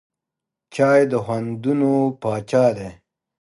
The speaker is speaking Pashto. چای د خوندونو پاچا دی.